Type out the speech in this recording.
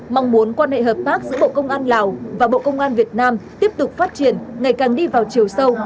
mong muốn quan hệ hợp tác giữa bộ công an lào và bộ công an việt nam tiếp tục phát triển ngày càng đi vào chiều sâu